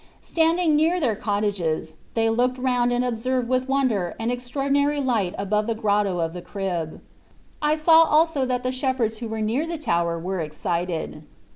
Standing near their cottages, they looked round and observed with wonder an extraordinary light above the Grotto of the Crib. I saw also that the shepherds who were near the tower were excited.